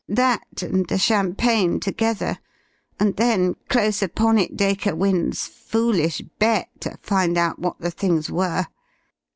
That and the champagne together, and then close upon it Dacre Wynne's foolish bet to find out what the things were.